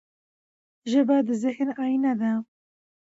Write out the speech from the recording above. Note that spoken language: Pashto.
ژبه د ذهن آیینه ده.